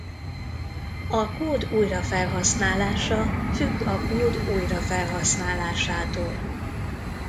A kód újrafelhasználása függ a kód újrafelhasználásától.